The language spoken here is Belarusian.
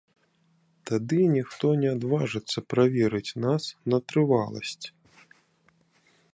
Тады ніхто не адважыцца праверыць нас на трываласць.